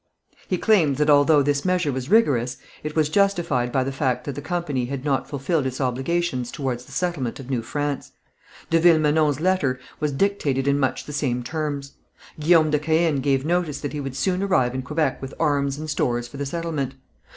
He claimed that although this measure was rigorous, it was justified by the fact that the company had not fulfilled its obligations towards the settlement of New France. De Villemenon's letter was dictated in much the same terms. Guillaume de Caën gave notice that he would soon arrive in Quebec with arms and stores for the settlement.